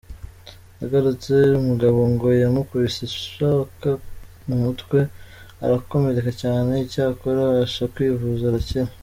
Agarutse, umugabo ngo yamukubise ishoka mu mutwe arakomereka cyane icyakora abasha kwivuza arakira.